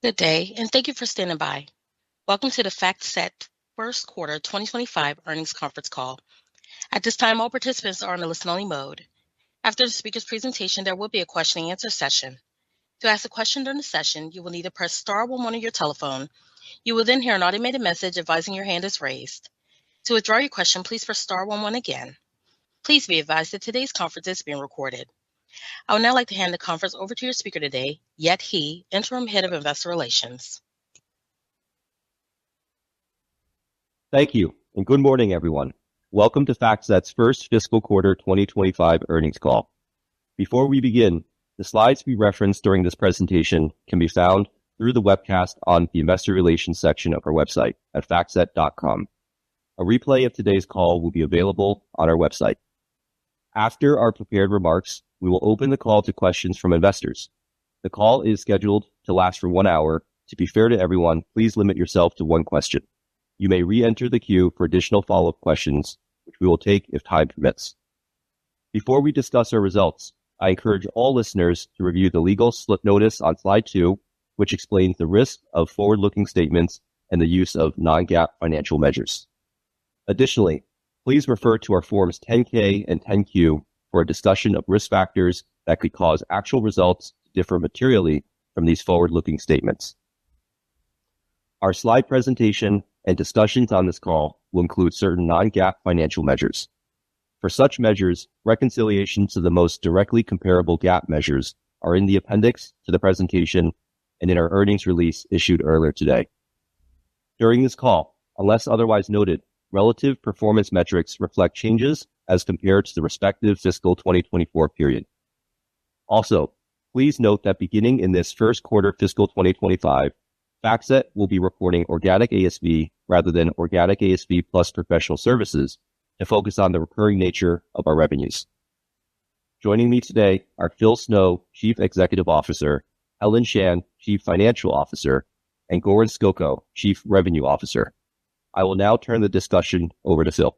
Good day, and thank you for standing by. Welcome to the FactSet First Quarter 2025 earnings conference call. At this time, all participants are in a listen-only mode. After the speaker's presentation, there will be a question-and-answer session. To ask a question during the session, you will need to press star 11 on your telephone. You will then hear an automated message advising your hand is raised. To withdraw your question, please press star 11 again. Please be advised that today's conference is being recorded. I would now like to hand the conference over to your speaker today, Yet He, Interim Head of Investor Relations. Thank you, and good morning, everyone. Welcome to FactSet's First Fiscal Quarter 2025 earnings call. Before we begin, the slides we referenced during this presentation can be found through the webcast on the Investor Relations section of our website at factset.com. A replay of today's call will be available on our website. After our prepared remarks, we will open the call to questions from investors. The call is scheduled to last for one hour. To be fair to everyone, please limit yourself to one question. You may re-enter the queue for additional follow-up questions, which we will take if time permits. Before we discuss our results, I encourage all listeners to review the safe harbor notice on slide two, which explains the risks of forward-looking statements and the use of non-GAAP financial measures. Additionally, please refer to our Forms 10-K and 10-Q for a discussion of risk factors that could cause actual results to differ materially from these forward-looking statements. Our slide presentation and discussions on this call will include certain non-GAAP financial measures. For such measures, reconciliations to the most directly comparable GAAP measures are in the appendix to the presentation and in our earnings release issued earlier today. During this call, unless otherwise noted, relative performance metrics reflect changes as compared to the respective fiscal 2024 period. Also, please note that beginning in this first quarter fiscal 2025, FactSet will be reporting organic ASV rather than organic ASV plus professional services to focus on the recurring nature of our revenues. Joining me today are Phil Snow, Chief Executive Officer; Helen Shan, Chief Financial Officer; and Goran Skoko, Chief Revenue Officer. I will now turn the discussion over to Phil.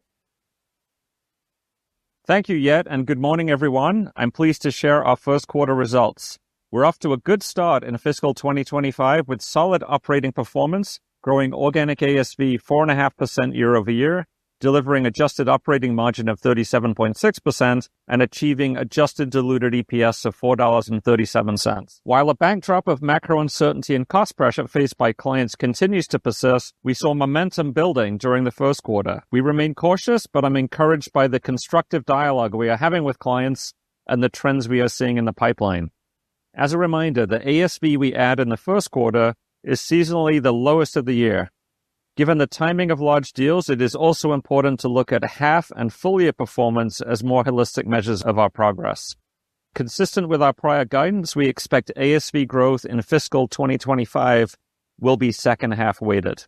Thank you, Yet He, and good morning, everyone. I'm pleased to share our first quarter results. We're off to a good start in fiscal 2025 with solid operating performance, growing organic ASV 4.5% year over year, delivering adjusted operating margin of 37.6%, and achieving adjusted diluted EPS of $4.37. While a backdrop of macro uncertainty and cost pressure faced by clients continues to persist, we saw momentum building during the first quarter. We remain cautious, but I'm encouraged by the constructive dialogue we are having with clients and the trends we are seeing in the pipeline. As a reminder, the ASV we add in the first quarter is seasonally the lowest of the year. Given the timing of large deals, it is also important to look at half and full-year performance as more holistic measures of our progress. Consistent with our prior guidance, we expect ASV growth in fiscal 2025 will be second-half weighted.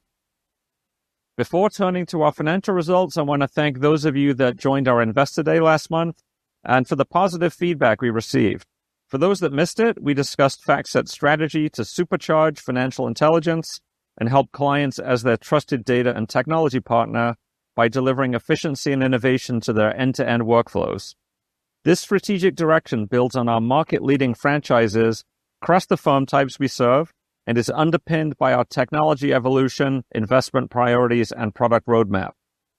Before turning to our financial results, I want to thank those of you that joined our Investor Day last month and for the positive feedback we received. For those that missed it, we discussed FactSet's strategy to supercharge financial intelligence and help clients as their trusted data and technology partner by delivering efficiency and innovation to their end-to-end workflows. This strategic direction builds on our market-leading franchises, cross the firm types we serve, and is underpinned by our technology evolution, investment priorities, and product roadmap.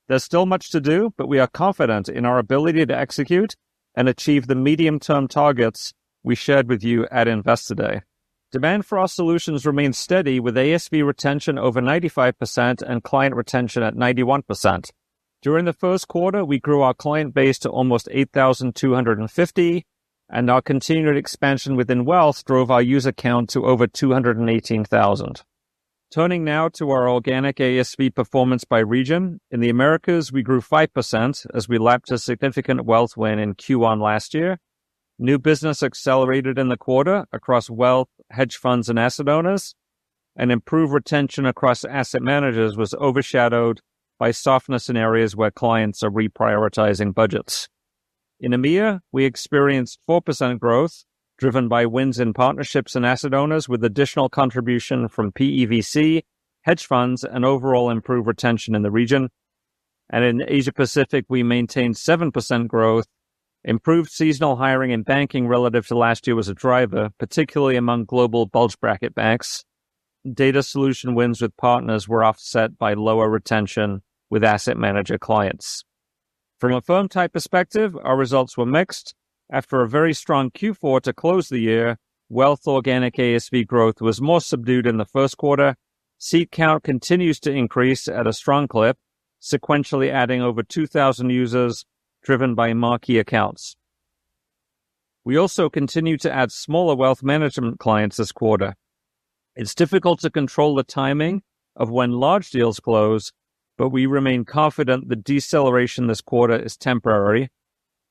There's still much to do, but we are confident in our ability to execute and achieve the medium-term targets we shared with you at Investor Day. Demand for our solutions remains steady, with ASV retention over 95% and client retention at 91%. During the first quarter, we grew our client base to almost 8,250, and our continued expansion within Wealth drove our user count to over 218,000. Turning now to our organic ASV performance by region, in the Americas, we grew 5% as we lapped a significant wealth win in Q1 last year. New business accelerated in the quarter across Wealth, hedge funds, and asset owners, and improved retention across asset managers was overshadowed by softness in areas where clients are reprioritizing budgets. In EMEA, we experienced 4% growth driven by wins in partnerships and asset owners with additional contribution from PE/VC, hedge funds, and overall improved retention in the region. And in Asia-Pacific, we maintained 7% growth. Improved seasonal hiring in banking relative to last year was a driver, particularly among global bulge bracket banks. Data solution wins with partners were offset by lower retention with asset manager clients. From a firm type perspective, our results were mixed. After a very strong Q4 to close the year, Wealth organic ASV growth was more subdued in the first quarter. Seat count continues to increase at a strong clip, sequentially adding over 2,000 users driven by marquee accounts. We also continue to add smaller Wealth management clients this quarter. It's difficult to control the timing of when large deals close, but we remain confident the deceleration this quarter is temporary,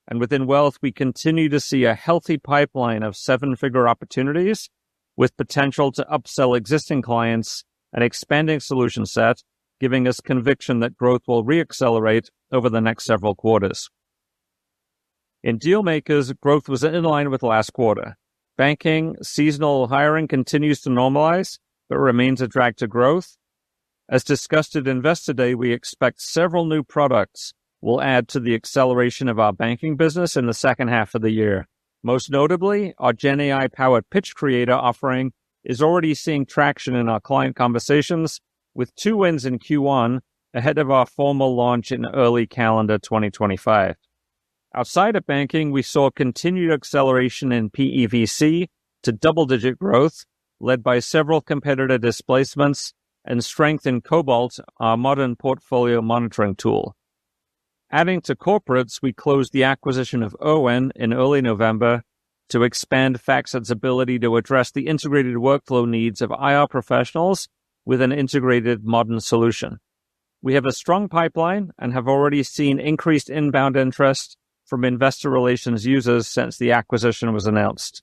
and within Wealth, we continue to see a healthy pipeline of seven-figure opportunities with potential to upsell existing clients and expanding solution set, giving us conviction that growth will re-accelerate over the next several quarters. In Dealmakers, growth was in line with last quarter. Banking seasonal hiring continues to normalize, but remains a drag to growth. As discussed at Investor Day, we expect several new products will add to the acceleration of our banking business in the second half of the year. Most notably, our GenAI-powered Pitch Creator offering is already seeing traction in our client conversations with two wins in Q1 ahead of our formal launch in early calendar 2025. Outside of banking, we saw continued acceleration in PE/VC to double-digit growth led by several competitor displacements and strength in Cobalt, our modern portfolio monitoring tool. Adding to corporates, we closed the acquisition of Irwin in early November to expand FactSet's ability to address the integrated workflow needs of IR professionals with an integrated modern solution. We have a strong pipeline and have already seen increased inbound interest from investor relations users since the acquisition was announced.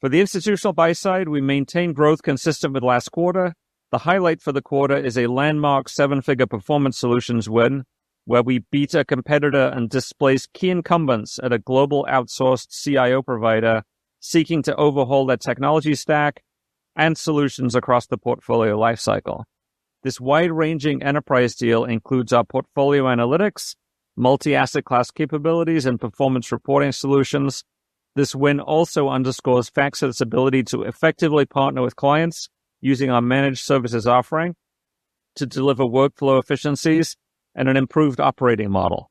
For the institutional buy side, we maintained growth consistent with last quarter. The highlight for the quarter is a landmark seven-figure performance solutions win where we beat a competitor and displaced key incumbents at a global outsourced CIO provider seeking to overhaul their technology stack and solutions across the portfolio lifecycle. This wide-ranging enterprise deal includes our portfolio analytics, multi-asset class capabilities, and performance reporting solutions. This win also underscores FactSet's ability to effectively partner with clients using our managed services offering to deliver workflow efficiencies and an improved operating model.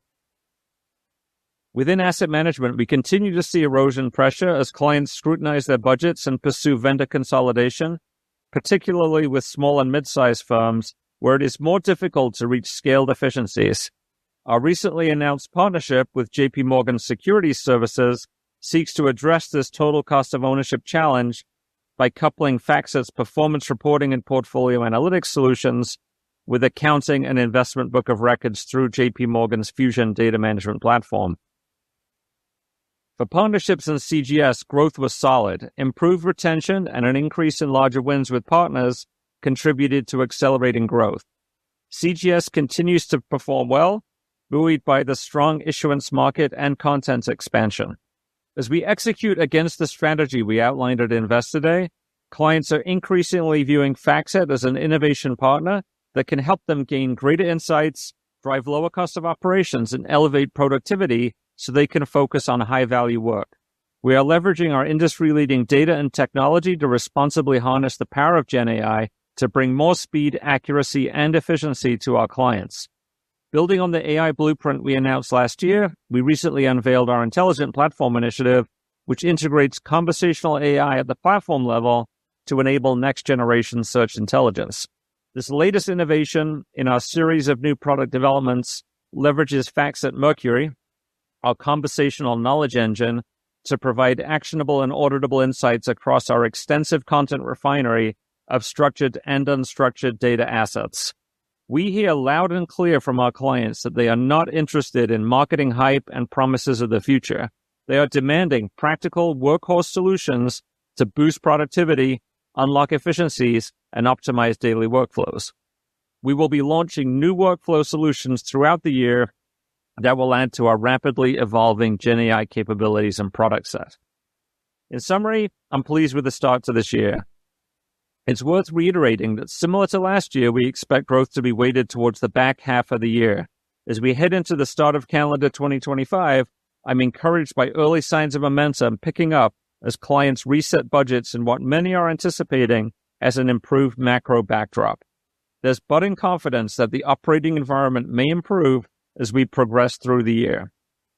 Within asset management, we continue to see erosion pressure as clients scrutinize their budgets and pursue vendor consolidation, particularly with small and mid-sized firms where it is more difficult to reach scaled efficiencies. Our recently announced partnership with J.P. Morgan Securities Services seeks to address this total cost of ownership challenge by coupling FactSet's performance reporting and portfolio analytics solutions with accounting and investment book of records through J.P. Morgan's Fusion data management platform. For partnerships and CGS, growth was solid. Improved retention and an increase in larger wins with partners contributed to accelerating growth. CGS continues to perform well, buoyed by the strong issuance market and contents expansion. As we execute against the strategy we outlined at Investor Day, clients are increasingly viewing FactSet as an innovation partner that can help them gain greater insights, drive lower cost of operations, and elevate productivity so they can focus on high-value work. We are leveraging our industry-leading data and technology to responsibly harness the power of GenAI to bring more speed, accuracy, and efficiency to our clients. Building on the AI blueprint we announced last year, we recently unveiled our Intelligent Platform initiative, which integrates conversational AI at the platform level to enable next-generation search intelligence. This latest innovation in our series of new product developments leverages FactSet Mercury, our conversational knowledge engine, to provide actionable and auditable insights across our extensive content refinery of structured and unstructured data assets. We hear loud and clear from our clients that they are not interested in marketing hype and promises of the future. They are demanding practical workhorse solutions to boost productivity, unlock efficiencies, and optimize daily workflows. We will be launching new workflow solutions throughout the year that will add to our rapidly evolving GenAI capabilities and product set. In summary, I'm pleased with the start to this year. It's worth reiterating that similar to last year, we expect growth to be weighted towards the back half of the year. As we head into the start of calendar 2025, I'm encouraged by early signs of momentum picking up as clients reset budgets in what many are anticipating as an improved macro backdrop. There's budding confidence that the operating environment may improve as we progress through the year.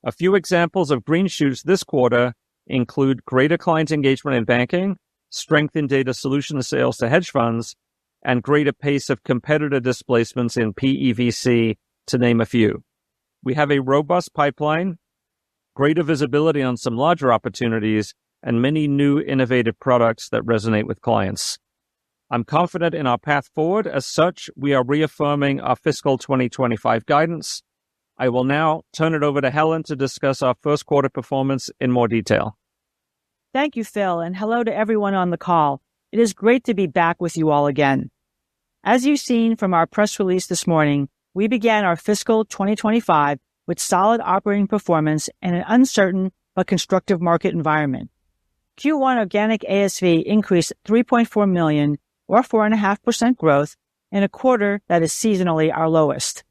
A few examples of green shoots this quarter include greater client engagement in banking, strength in data solution sales to hedge funds, and greater pace of competitor displacements in PE/VC, to name a few. We have a robust pipeline, greater visibility on some larger opportunities, and many new innovative products that resonate with clients. I'm confident in our path forward. As such, we are reaffirming our fiscal 2025 guidance. I will now turn it over to Helen to discuss our first quarter performance in more detail. Thank you, Phil, and hello to everyone on the call. It is great to be back with you all again. As you've seen from our press release this morning, we began our fiscal 2025 with solid operating performance in an uncertain but constructive market environment. Q1 organic ASV increased $3.4 million, or 4.5% growth in a quarter that is seasonally our lowest.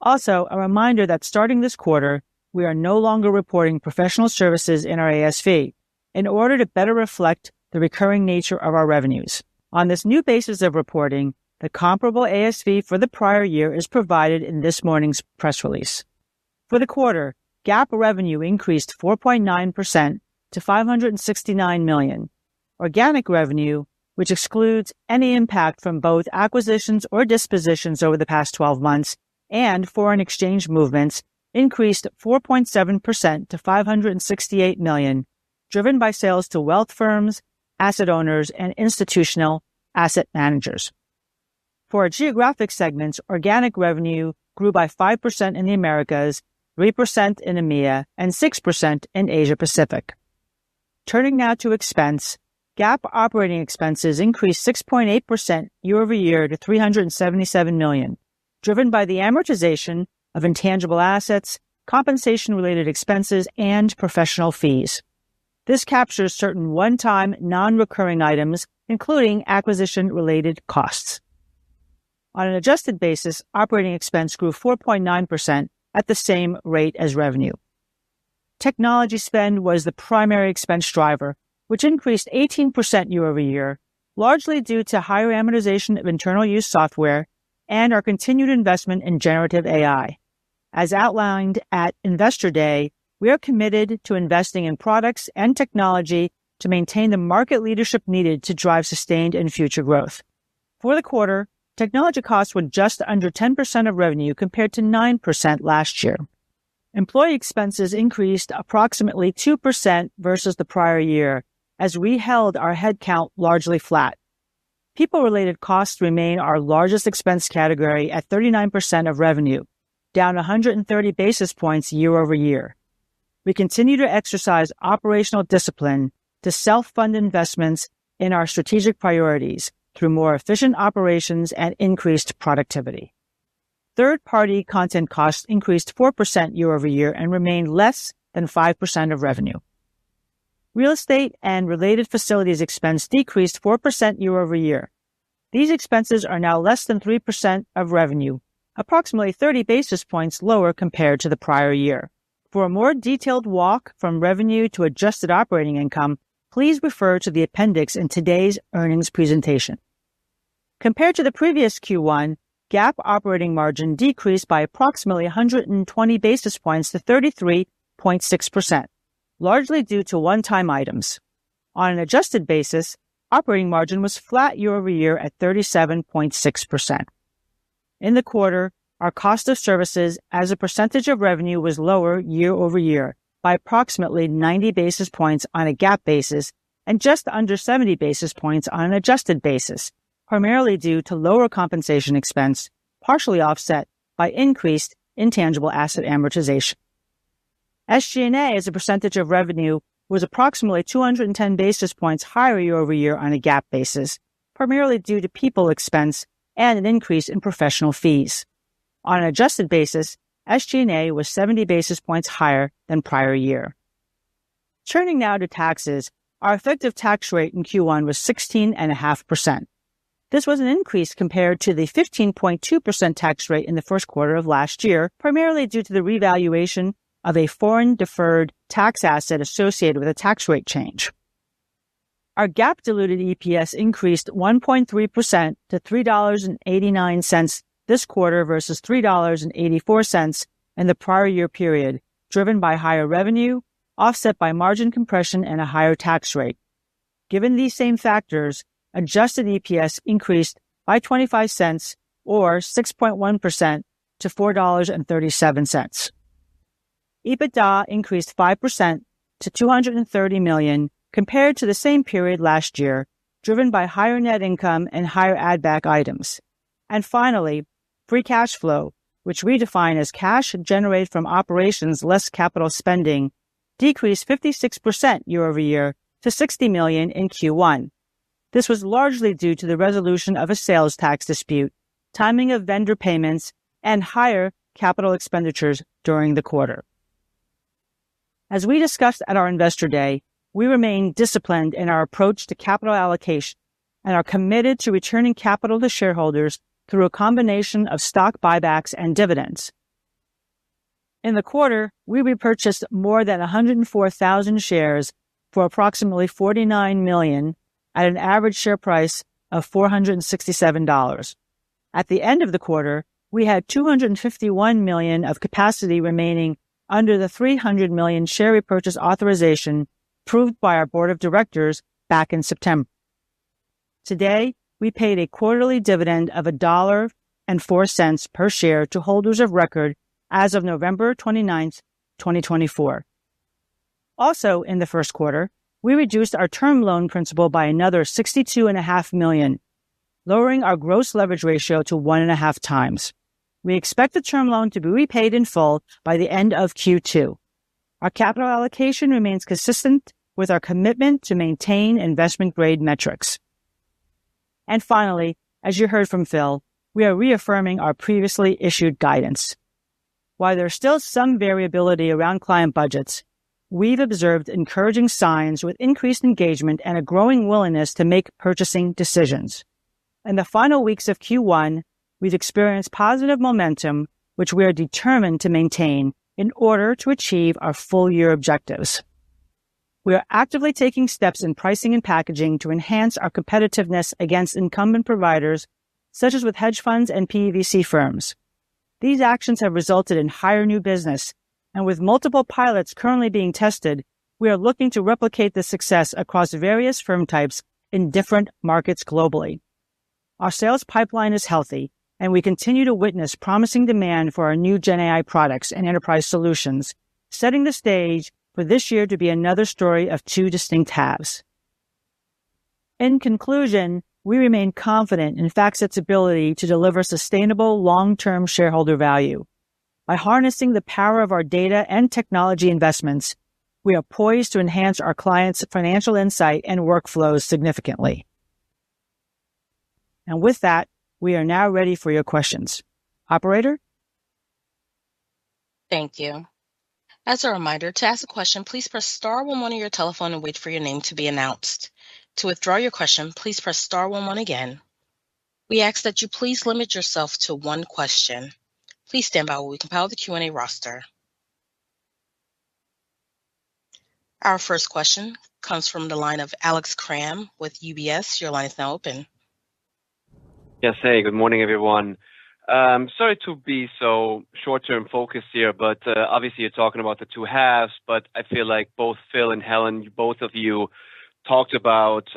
Also, a reminder that starting this quarter, we are no longer reporting professional services in our ASV in order to better reflect the recurring nature of our revenues. On this new basis of reporting, the comparable ASV for the prior year is provided in this morning's press release. For the quarter, GAAP revenue increased 4.9% to $569 million. Organic revenue, which excludes any impact from both acquisitions or dispositions over the past 12 months and foreign exchange movements, increased 4.7% to $568 million, driven by sales to Wealth firms, asset owners, and institutional asset managers. For our geographic segments, organic revenue grew by 5% in the Americas, 3% in EMEA, and 6% in Asia-Pacific. Turning now to expense, GAAP operating expenses increased 6.8% year over year to $377 million, driven by the amortization of intangible assets, compensation-related expenses, and professional fees. This captures certain one-time non-recurring items, including acquisition-related costs. On an adjusted basis, operating expense grew 4.9% at the same rate as revenue. Technology spend was the primary expense driver, which increased 18% year over year, largely due to higher amortization of internal-use software and our continued investment in generative AI. As outlined at Investor Day, we are committed to investing in products and technology to maintain the market leadership needed to drive sustained and future growth. For the quarter, technology costs were just under 10% of revenue compared to 9% last year. Employee expenses increased approximately 2% versus the prior year, as we held our headcount largely flat. People-related costs remain our largest expense category at 39% of revenue, down 130 basis points year over year. We continue to exercise operational discipline to self-fund investments in our strategic priorities through more efficient operations and increased productivity. Third-party content costs increased 4% year over year and remain less than 5% of revenue. Real estate and related facilities expense decreased 4% year over year. These expenses are now less than 3% of revenue, approximately 30 basis points lower compared to the prior year. For a more detailed walk from revenue to adjusted operating income, please refer to the appendix in today's earnings presentation. Compared to the previous Q1, GAAP operating margin decreased by approximately 120 basis points to 33.6%, largely due to one-time items. On an adjusted basis, operating margin was flat year over year at 37.6%. In the quarter, our cost of services as a percentage of revenue was lower year over year by approximately 90 basis points on a GAAP basis and just under 70 basis points on an adjusted basis, primarily due to lower compensation expense partially offset by increased intangible asset amortization. SG&A as a percentage of revenue was approximately 210 basis points higher year over year on a GAAP basis, primarily due to people expense and an increase in professional fees. On an adjusted basis, SG&A was 70 basis points higher than prior year. Turning now to taxes, our effective tax rate in Q1 was 16.5%. This was an increase compared to the 15.2% tax rate in the first quarter of last year, primarily due to the revaluation of a foreign deferred tax asset associated with a tax rate change. Our GAAP diluted EPS increased 1.3% to $3.89 this quarter versus $3.84 in the prior year period, driven by higher revenue, offset by margin compression, and a higher tax rate. Given these same factors, adjusted EPS increased by $0.25, or 6.1%, to $4.37. EBITDA increased 5% to $230 million compared to the same period last year, driven by higher net income and higher add-back items. Finally, free cash flow, which we define as cash generated from operations less capital spending, decreased 56% year over year to $60 million in Q1. This was largely due to the resolution of a sales tax dispute, timing of vendor payments, and higher capital expenditures during the quarter. As we discussed at our investor day, we remain disciplined in our approach to capital allocation and are committed to returning capital to shareholders through a combination of stock buybacks and dividends. In the quarter, we repurchased more than 104,000 shares for approximately $49 million at an average share price of $467. At the end of the quarter, we had $251 million of capacity remaining under the $300 million share repurchase authorization approved by our board of directors back in September. Today, we paid a quarterly dividend of $1.04 per share to holders of record as of November 29, 2024. Also, in the first quarter, we reduced our term loan principal by another $62.5 million, lowering our gross leverage ratio to one and a half times. We expect the term loan to be repaid in full by the end of Q2. Our capital allocation remains consistent with our commitment to maintain investment-grade metrics. And finally, as you heard from Phil, we are reaffirming our previously issued guidance. While there's still some variability around client budgets, we've observed encouraging signs with increased engagement and a growing willingness to make purchasing decisions. In the final weeks of Q1, we've experienced positive momentum, which we are determined to maintain in order to achieve our full-year objectives. We are actively taking steps in pricing and packaging to enhance our competitiveness against incumbent providers, such as with hedge funds and PE/VC firms. These actions have resulted in higher new business, and with multiple pilots currently being tested, we are looking to replicate the success across various firm types in different markets globally. Our sales pipeline is healthy, and we continue to witness promising demand for our new GenAI products and enterprise solutions, setting the stage for this year to be another story of two distinct halves. In conclusion, we remain confident in FactSet's ability to deliver sustainable long-term shareholder value. By harnessing the power of our data and technology investments, we are poised to enhance our clients' financial insight and workflows significantly. And with that, we are now ready for your questions. Operator? Thank you. As a reminder, to ask a question, please press star 11 on your telephone and wait for your name to be announced. To withdraw your question, please press star 11 again. We ask that you please limit yourself to one question. Please stand by while we compile the Q&A roster. Our first question comes from the line of Alex Kramm with UBS. Your line is now open. Yes, hey, good morning, everyone. Sorry to be so short-term focused here, but obviously, you're talking about the two halves, but I feel like both Phil and Helen, both of you talked about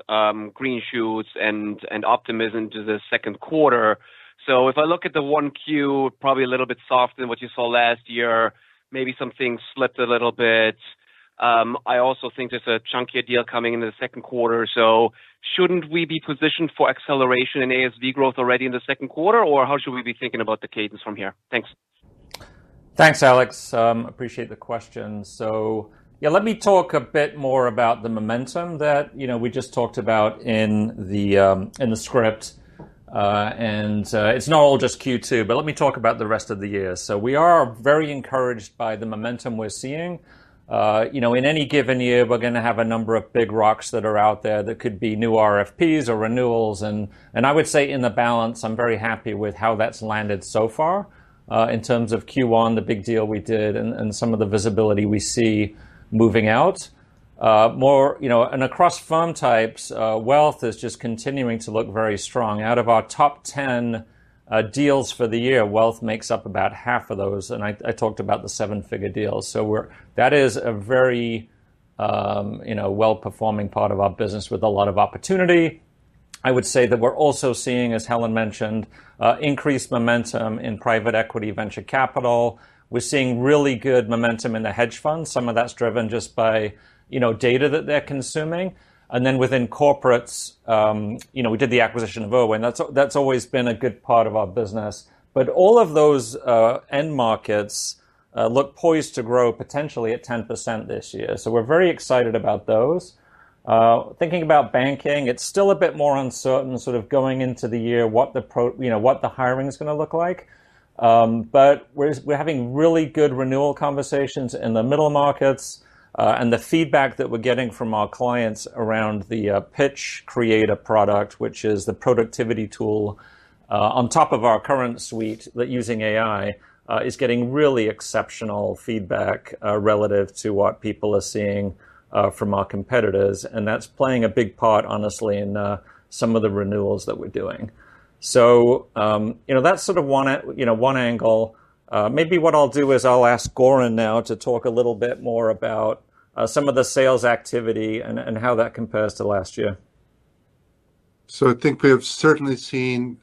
green shoots and optimism to the second quarter. So if I look at the one Q, probably a little bit softer than what you saw last year. Maybe some things slipped a little bit. I also think there's a chunkier deal coming into the second quarter. So shouldn't we be positioned for acceleration in ASV growth already in the second quarter, or how should we be thinking about the cadence from here? Thanks. Thanks, Alex. Appreciate the question. So yeah, let me talk a bit more about the momentum that we just talked about in the script. And it's not all just Q2, but let me talk about the rest of the year. So we are very encouraged by the momentum we're seeing. In any given year, we're going to have a number of big rocks that are out there that could be new RFPs or renewals. And I would say in the balance, I'm very happy with how that's landed so far in terms of Q1, the big deal we did, and some of the visibility we see moving out. And across firm types, wealth is just continuing to look very strong. Out of our top 10 deals for the year, wealth makes up about half of those. And I talked about the seven-figure deals. So that is a very well-performing part of our business with a lot of opportunity. I would say that we're also seeing, as Helen mentioned, increased momentum in private equity venture capital. We're seeing really good momentum in the hedge funds. Some of that's driven just by data that they're consuming. And then within corporates, we did the acquisition of Irwin. That's always been a good part of our business. But all of those end markets look poised to grow potentially at 10% this year. So we're very excited about those. Thinking about banking, it's still a bit more uncertain sort of going into the year what the hiring is going to look like. But we're having really good renewal conversations in the middle markets. And the feedback that we're getting from our clients around the Pitch Creator product, which is the productivity tool on top of our current suite that using AI is getting really exceptional feedback relative to what people are seeing from our competitors. And that's playing a big part, honestly, in some of the renewals that we're doing. So that's sort of one angle. Maybe what I'll do is I'll ask Goran now to talk a little bit more about some of the sales activity and how that compares to last year. So I think we have certainly seen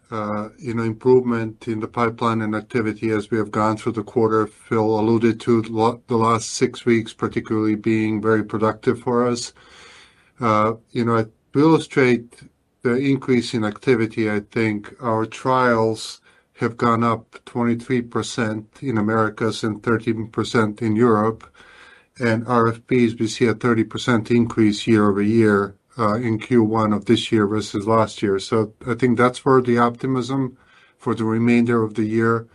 improvement in the pipeline and activity as we have gone through the quarter. Phil alluded to the last six weeks particularly being very productive for us. To illustrate the increase in activity, I think our trials have gone up 23% in Americas and 13% in Europe. And RFPs, we see a 30% increase year over year in Q1 of this year versus last year. So I think that's where the optimism for the remainder of the year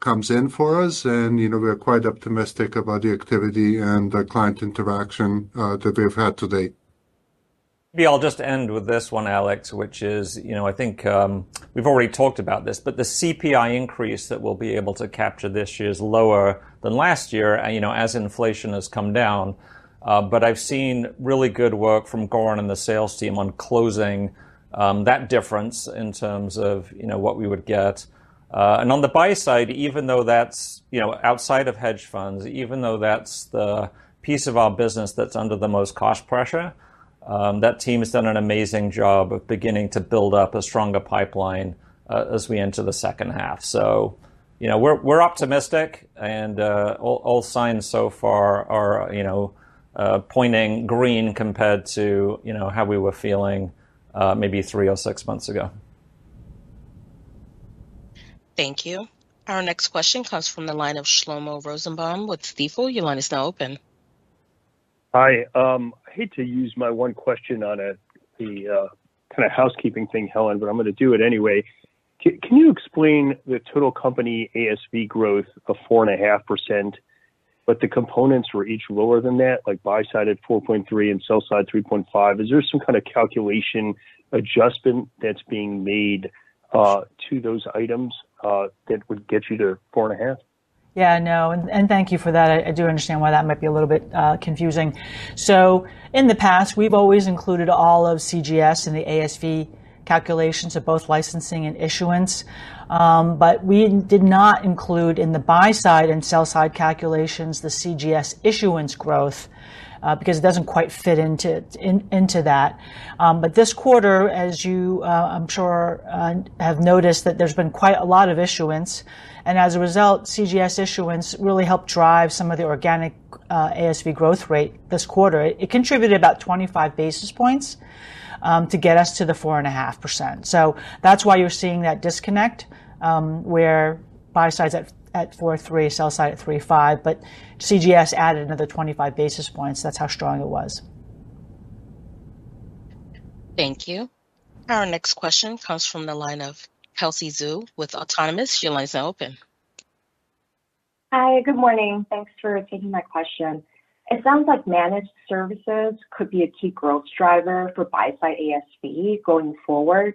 comes in for us. And we're quite optimistic about the activity and the client interaction that we've had today. Maybe I'll just end with this one, Alex, which is I think we've already talked about this, but the CPI increase that we'll be able to capture this year is lower than last year as inflation has come down. But I've seen really good work from Goran and the sales team on closing that difference in terms of what we would get. And on the buy side, even though that's outside of hedge funds, even though that's the piece of our business that's under the most cost pressure, that team has done an amazing job of beginning to build up a stronger pipeline as we enter the second half. So we're optimistic, and all signs so far are pointing green compared to how we were feeling maybe three or six months ago. Thank you. Our next question comes from the line of Shlomo Rosenbaum with Stifel. Your line is now open. Hi. I hate to use my one question on the kind of housekeeping thing, Helen, but I'm going to do it anyway. Can you explain the total company ASV growth of 4.5%, but the components were each lower than that, like buy side at 4.3% and sell side 3.5%? Is there some kind of calculation adjustment that's being made to those items that would get you to 4.5%? Yeah, no. And thank you for that. I do understand why that might be a little bit confusing. So in the past, we've always included all of CGS and the ASV calculations of both licensing and issuance. But we did not include in the buy side and sell side calculations the CGS issuance growth because it doesn't quite fit into that. But this quarter, as you, I'm sure, have noticed, that there's been quite a lot of issuance. And as a result, CGS issuance really helped drive some of the organic ASV growth rate this quarter. It contributed about 25 basis points to get us to the 4.5%. So that's why you're seeing that disconnect where buy side's at 4.3%, sell side at 3.5%, but CGS added another 25 basis points. That's how strong it was. Thank you. Our next question comes from the line of Kelsey Zhu with Autonomous. Your line's now open. Hi, good morning. Thanks for taking my question. It sounds like managed services could be a key growth driver for buy side ASV going forward.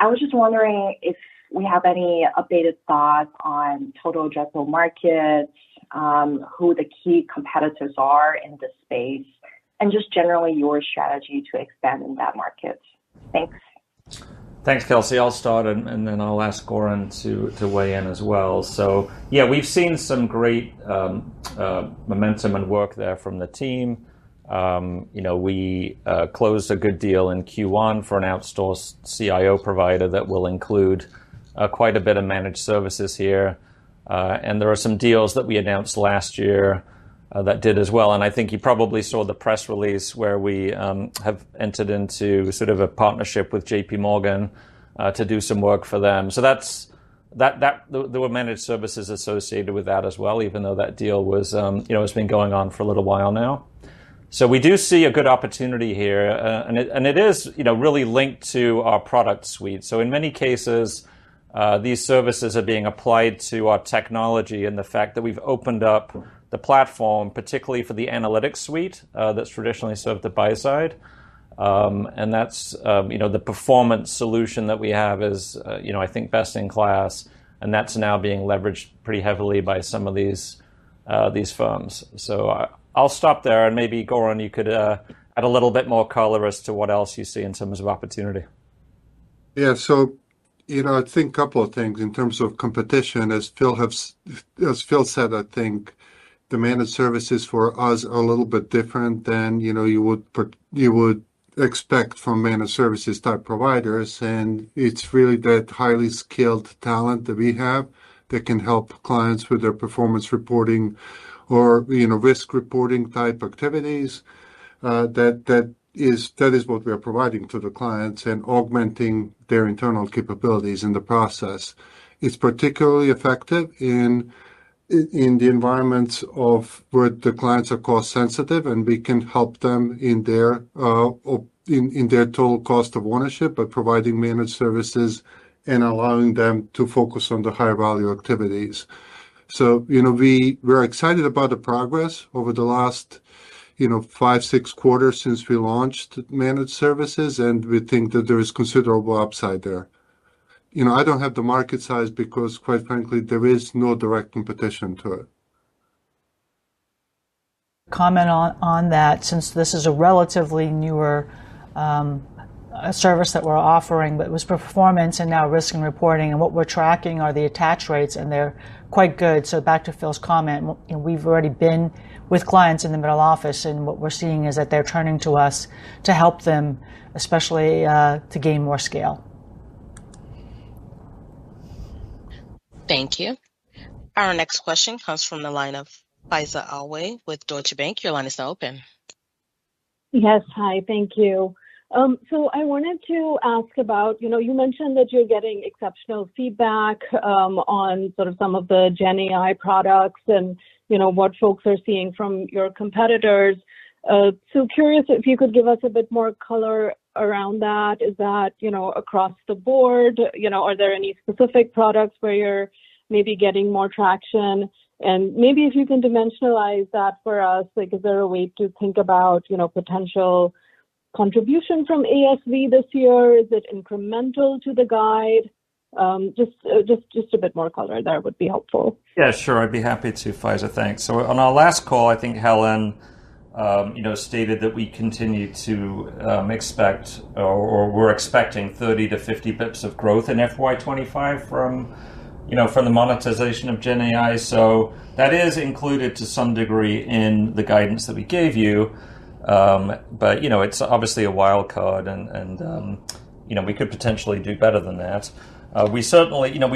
I was just wondering if we have any updated thoughts on total addressable markets, who the key competitors are in this space, and just generally your strategy to expand in that market. Thanks. Thanks, Kelsey. I'll start, and then I'll ask Goran to weigh in as well, so yeah, we've seen some great momentum and work there from the team. We closed a good deal in Q1 for an outsource CIO provider that will include quite a bit of managed services here, and there are some deals that we announced last year that did as well, and I think you probably saw the press release where we have entered into sort of a partnership with J.P. Morgan to do some work for them, so there were managed services associated with that as well, even though that deal has been going on for a little while now, so we do see a good opportunity here, and it is really linked to our product suite. So in many cases, these services are being applied to our technology and the fact that we've opened up the platform, particularly for the analytics suite that's traditionally served the buy side. And that's the performance solution that we have is, I think, best in class, and that's now being leveraged pretty heavily by some of these firms. So I'll stop there. And maybe, Goran, you could add a little bit more color as to what else you see in terms of opportunity. Yeah. So I think a couple of things in terms of competition. As Phil said, I think the managed services for us are a little bit different than you would expect from managed services type providers. And it's really that highly skilled talent that we have that can help clients with their performance reporting or risk reporting type activities. That is what we are providing to the clients and augmenting their internal capabilities in the process. It's particularly effective in the environments where the clients are cost-sensitive, and we can help them in their total cost of ownership by providing managed services and allowing them to focus on the higher value activities. So we're excited about the progress over the last five, six quarters since we launched managed services, and we think that there is considerable upside there. I don't have the market size because, quite frankly, there is no direct competition to it. Comment on that, since this is a relatively newer service that we're offering, but it was performance and now risk and reporting. And what we're tracking are the attach rates, and they're quite good. So back to Phil's comment, we've already been with clients in the middle office, and what we're seeing is that they're turning to us to help them, especially to gain more scale. Thank you. Our next question comes from the line of Faiza Alwy with Deutsche Bank. Your line is now open. Yes, hi. Thank you. So I wanted to ask about you mentioned that you're getting exceptional feedback on sort of some of the GenAI products and what folks are seeing from your competitors. So curious if you could give us a bit more color around that. Is that across the board? Are there any specific products where you're maybe getting more traction? And maybe if you can dimensionalize that for us, is there a way to think about potential contribution from ASV this year? Is it incremental to the guide? Just a bit more color there would be helpful. Yeah, sure. I'd be happy to, Faiza. Thanks. So on our last call, I think Helen stated that we continue to expect or we're expecting 30 to 50 basis points of growth in FY25 from the monetization of GenAI. So that is included to some degree in the guidance that we gave you. But it's obviously a wildcard, and we could potentially do better than that. We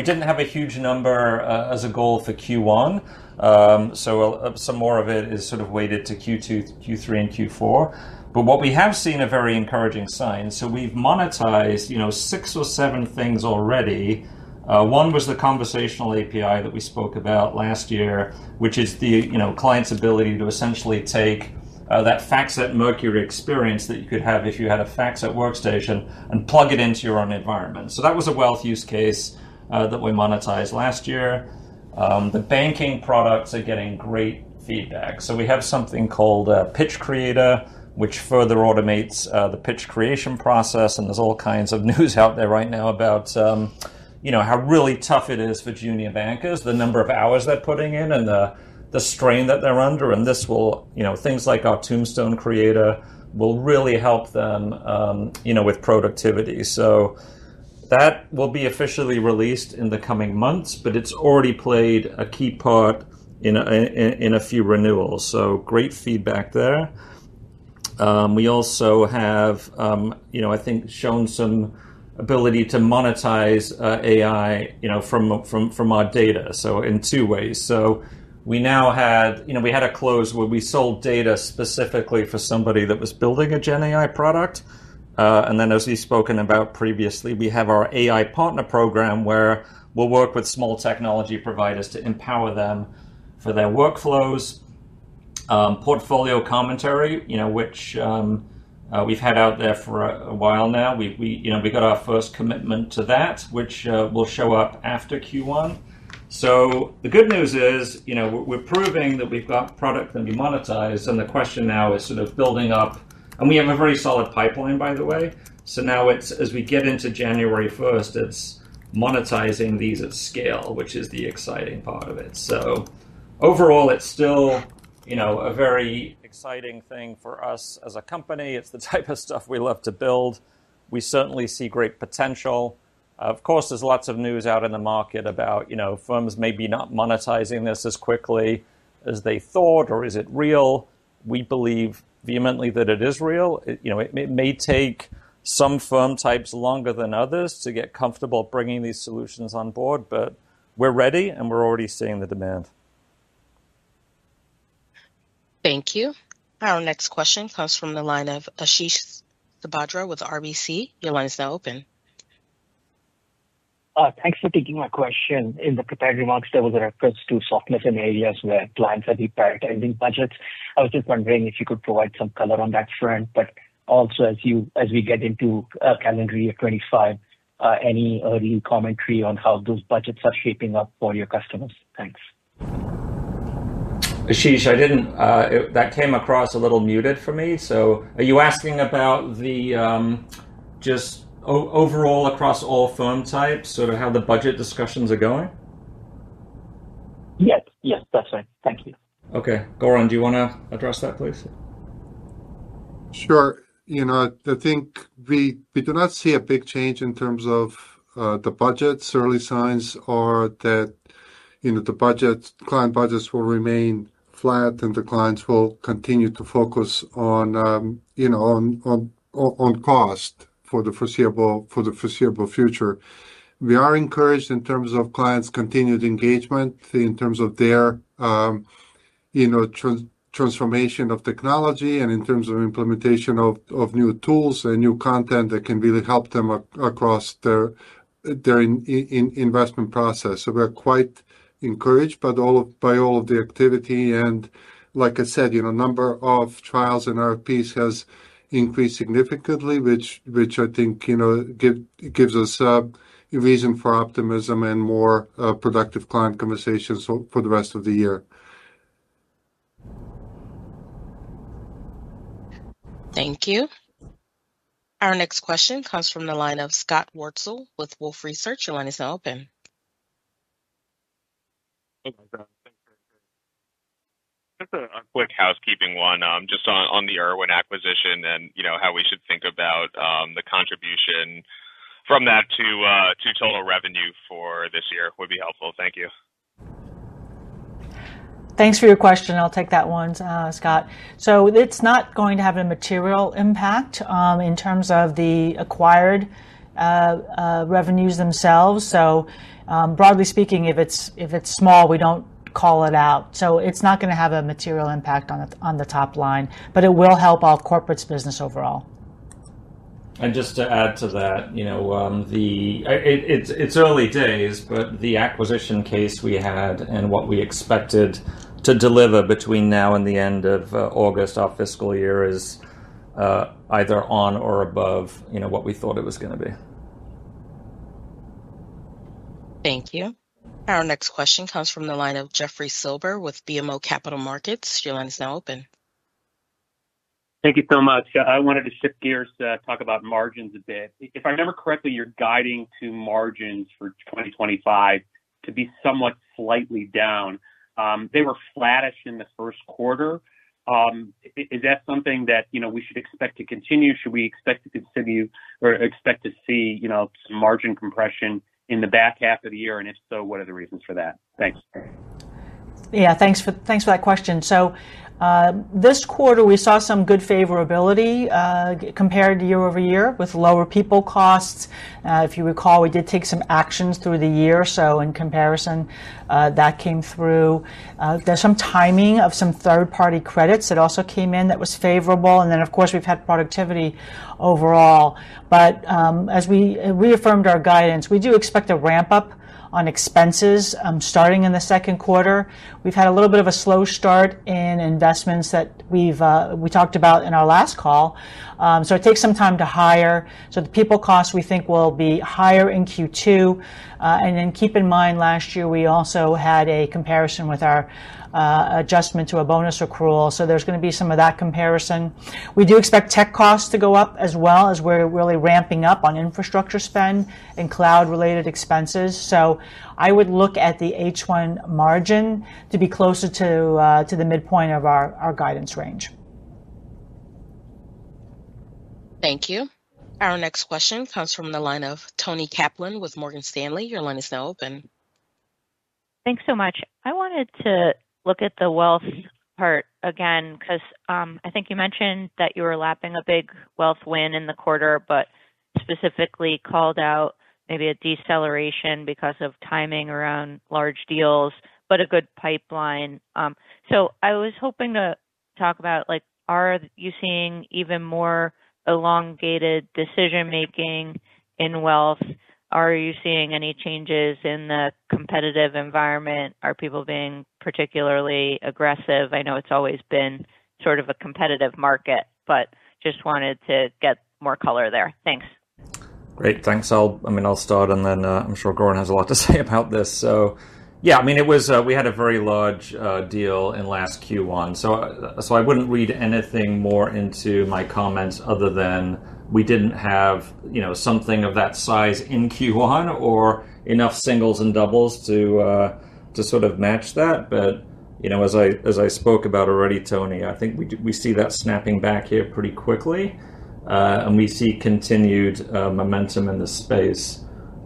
didn't have a huge number as a goal for Q1, so some more of it is sort of weighted to Q2, Q3, and Q4. But what we have seen are very encouraging signs. So we've monetized six or seven things already. One was the Conversational API that we spoke about last year, which is the client's ability to essentially take that FactSet Mercury experience that you could have if you had a FactSet Workstation and plug it into your own environment. So that was a Wealth use case that we monetized last year. The banking products are getting great feedback. So we have something called Pitch Creator, which further automates the pitch creation process. And there's all kinds of news out there right now about how really tough it is for junior bankers, the number of hours they're putting in, and the strain that they're under. And things like our Tombstone Creator will really help them with productivity. So that will be officially released in the coming months, but it's already played a key part in a few renewals. So great feedback there. We also have, I think, shown some ability to monetize AI from our data, so in two ways. So we had a close where we sold data specifically for somebody that was building a GenAI product. And then, as we've spoken about previously, we have our AI partner program where we'll work with small technology providers to empower them for their workflows. Portfolio Commentary, which we've had out there for a while now. We got our first commitment to that, which will show up after Q1. So the good news is we're proving that we've got product that we monetize. And the question now is sort of building up. And we have a very solid pipeline, by the way. So now, as we get into January 1st, it's monetizing these at scale, which is the exciting part of it. So overall, it's still a very exciting thing for us as a company. It's the type of stuff we love to build. We certainly see great potential. Of course, there's lots of news out in the market about firms maybe not monetizing this as quickly as they thought, or is it real? We believe vehemently that it is real. It may take some firm types longer than others to get comfortable bringing these solutions on board, but we're ready, and we're already seeing the demand. Thank you. Our next question comes from the line of Ashish Sabadra with RBC. Your line is now open. Thanks for taking my question. In the prepared remarks, there was a reference to softness in areas where clients are deprioritizing budgets. I was just wondering if you could provide some color on that front. But also, as we get into calendar year 2025, any early commentary on how those budgets are shaping up for your customers? Thanks. Ashish, that came across a little muted for me. So are you asking about just overall across all firm types, sort of how the budget discussions are going? Yes, yes, that's right. Thank you. Okay. Goran, do you want to address that, please? Sure. I think we do not see a big change in terms of the budgets. Early signs are that the client budgets will remain flat, and the clients will continue to focus on cost for the foreseeable future. We are encouraged in terms of clients' continued engagement, in terms of their transformation of technology, and in terms of implementation of new tools and new content that can really help them across their investment process, so we're quite encouraged by all of the activity, and like I said, a number of trials and RFPs has increased significantly, which I think gives us a reason for optimism and more productive client conversations for the rest of the year. Thank you. Our next question comes from the line of Scott Wurtzel with Wolfe Research. Your line is now open. Just a quick housekeeping one, just on the Irwin acquisition and how we should think about the contribution from that to total revenue for this year would be helpful? Thank you. Thanks for your question. I'll take that one, Scott. So it's not going to have a material impact in terms of the acquired revenues themselves. So broadly speaking, if it's small, we don't call it out. So it's not going to have a material impact on the top line, but it will help all corporate's business overall. Just to add to that, it's early days, but the acquisition case we had and what we expected to deliver between now and the end of August, our fiscal year is either on or above what we thought it was going to be. Thank you. Our next question comes from the line of Jeffrey Silber with BMO Capital Markets. Your line is now open. Thank you so much. I wanted to shift gears to talk about margins a bit. If I remember correctly, you're guiding to margins for 2025 to be somewhat slightly down. They were flattish in the first quarter. Is that something that we should expect to continue? Should we expect to continue or expect to see some margin compression in the back half of the year? And if so, what are the reasons for that? Thanks. Yeah, thanks for that question. So this quarter, we saw some good favorability compared to year over year with lower people costs. If you recall, we did take some actions through the year. So in comparison, that came through. There's some timing of some third-party credits that also came in that was favorable. And then, of course, we've had productivity overall. But as we reaffirmed our guidance, we do expect a ramp-up on expenses starting in the second quarter. We've had a little bit of a slow start in investments that we talked about in our last call. So it takes some time to hire. So the people costs we think will be higher in Q2. And then keep in mind, last year, we also had a comparison with our adjustment to a bonus accrual. So there's going to be some of that comparison. We do expect tech costs to go up as well as we're really ramping up on infrastructure spend and cloud-related expenses. So I would look at the H1 margin to be closer to the midpoint of our guidance range. Thank you. Our next question comes from the line of Toni Kaplan with Morgan Stanley. Your line is now open. Thanks so much. I wanted to look at the Wealth part again because I think you mentioned that you were lapping a big Wealth win in the quarter, but specifically called out maybe a deceleration because of timing around large deals, but a good pipeline, so I was hoping to talk about, are you seeing even more elongated decision-making in Wealth? Are you seeing any changes in the competitive environment? Are people being particularly aggressive? I know it's always been sort of a competitive market, but just wanted to get more color there. Thanks. Great. Thanks. I mean, I'll start, and then I'm sure Goran has a lot to say about this. So yeah, I mean, we had a very large deal in last Q1. So I wouldn't read anything more into my comments other than we didn't have something of that size in Q1 or enough singles and doubles to sort of match that. But as I spoke about already, Tony, I think we see that snapping back here pretty quickly, and we see continued momentum in the space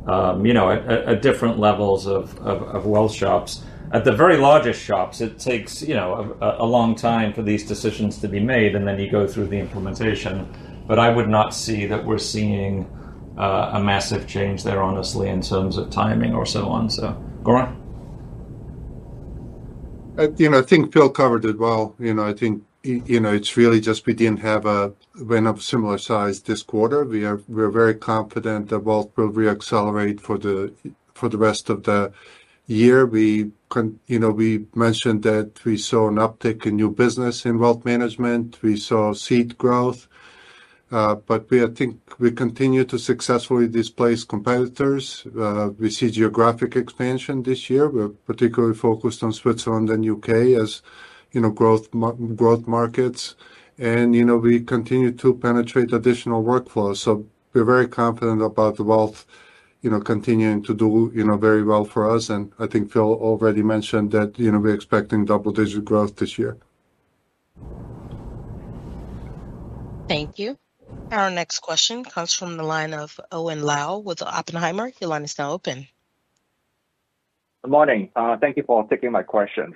at different levels of wealth shops. At the very largest shops, it takes a long time for these decisions to be made, and then you go through the implementation. But I would not see that we're seeing a massive change there, honestly, in terms of timing or so on. So Goran? I think Phil covered it well. I think it's really just we didn't have a similar size this quarter. We are very confident that Wealth will reaccelerate for the rest of the year. We mentioned that we saw an uptick in new business in Wealth Management. We saw seat growth. But I think we continue to successfully displace competitors. We see geographic expansion this year. We're particularly focused on Switzerland and UK as growth markets. And we continue to penetrate additional workflows. So we're very confident about Wealth continuing to do very well for us. And I think Phil already mentioned that we're expecting double-digit growth this year. Thank you. Our next question comes from the line of Owen Lau with Oppenheimer. Your line is now open. Good morning. Thank you for taking my question.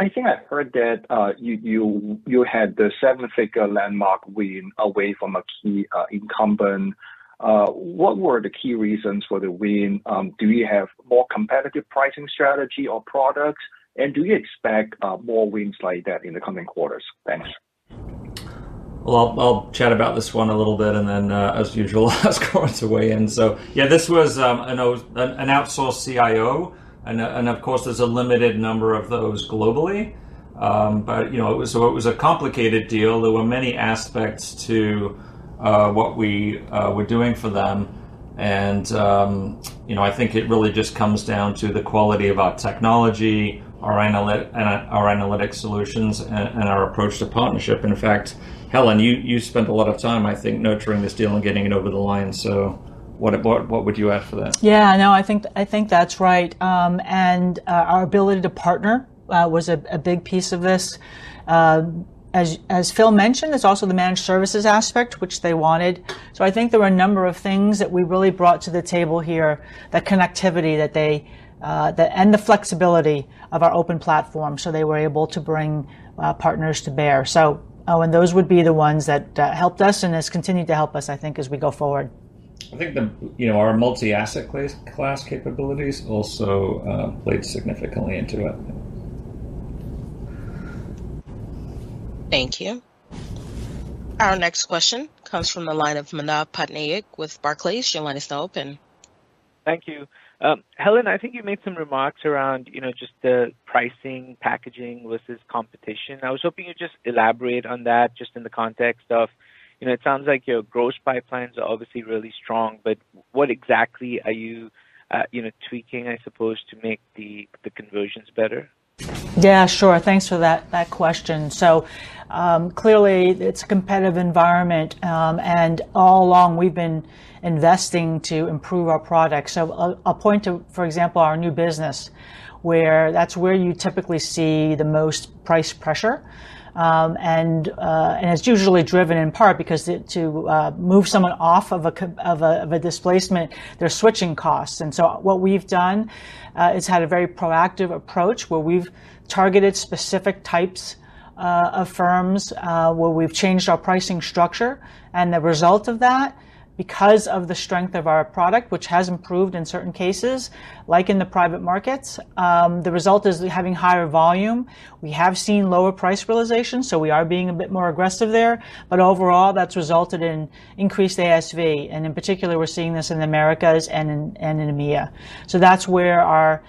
I think I heard that you had the seven-figure landmark win away from a key incumbent. What were the key reasons for the win? Do you have more competitive pricing strategy or products? And do you expect more wins like that in the coming quarters? Thanks. I'll chat about this one a little bit, and then, as usual, as Goran's away, and so yeah, this was an outsourced CIO, and of course, there's a limited number of those globally, but it was a complicated deal. There were many aspects to what we were doing for them, and I think it really just comes down to the quality of our technology, our analytics solutions, and our approach to partnership. In fact, Helen, you spent a lot of time, I think, nurturing this deal and getting it over the line. What would you add for that? Yeah, no, I think that's right. And our ability to partner was a big piece of this. As Phil mentioned, it's also the managed services aspect, which they wanted. So I think there were a number of things that we really brought to the table here, that connectivity and the flexibility of our open platform, so they were able to bring partners to bear. So those would be the ones that helped us and has continued to help us, I think, as we go forward. I think our multi-asset class capabilities also played significantly into it. Thank you. Our next question comes from the line of Manav Patnaik with Barclays. Your line is now open. Thank you. Helen, I think you made some remarks around just the pricing, packaging versus competition. I was hoping you'd just elaborate on that just in the context of it sounds like your growth pipelines are obviously really strong, but what exactly are you tweaking, I suppose, to make the conversions better? Yeah, sure. Thanks for that question. Clearly, it's a competitive environment. All along, we've been investing to improve our products. I'll point to, for example, our new business, where you typically see the most price pressure. It's usually driven in part because to move someone off of a displacement, there are switching costs. What we've done is had a very proactive approach where we've targeted specific types of firms, where we've changed our pricing structure. The result of that, because of the strength of our product, which has improved in certain cases, like in the private markets, is having higher volume. We have seen lower price realization, so we are being a bit more aggressive there. Overall, that's resulted in increased ASV. In particular, we're seeing this in the Americas and in EMEA. So that's where our